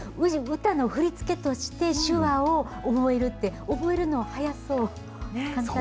歌の振り付けとして手話を覚えるって、覚えるのが早そう。